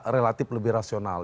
relatif lebih rasional